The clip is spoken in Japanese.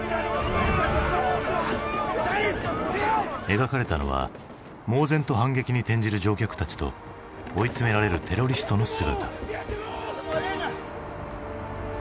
描かれたのは猛然と反撃に転じる乗客たちと追い詰められるテロリストの姿。